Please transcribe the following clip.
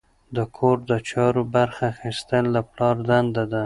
د کور د چارو برخه اخیستل د پلار دنده ده.